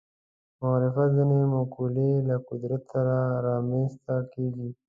معرفت ځینې مقولې له قدرت سره رامنځته کېږي